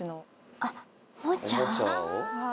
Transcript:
あっおもちゃ？